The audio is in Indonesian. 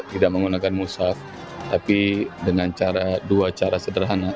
tidak menggunakan musaf tapi dengan cara dua cara sederhana